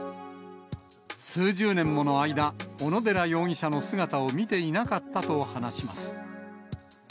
数十年もの間、小野寺容疑者の姿を見ていなかったと話します。